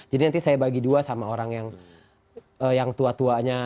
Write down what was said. jadi nanti saya bagi dua sama orang yang tua tuanya